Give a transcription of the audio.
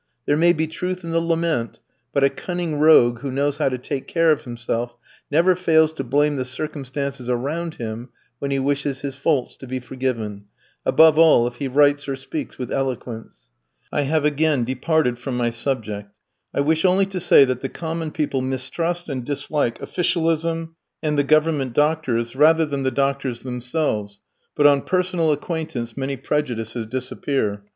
There may be truth in the lament, but a cunning rogue who knows how to take care of himself never fails to blame the circumstances around him when he wishes his faults to be forgiven above all, if he writes or speaks with eloquence. I have again departed from my subject; I wish only to say that the common people mistrust and dislike officialism and the Government doctors, rather than the doctors themselves; but on personal acquaintance many prejudices disappear.